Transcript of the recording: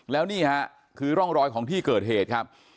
แล้วนี่ฮะคือร่องรอยของที่เกิดเหตุครับ